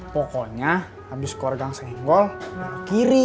pokoknya abis keluar gang senggol belok kiri